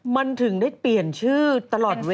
มันถึงได้เปลี่ยนชื่อตลอดเวลา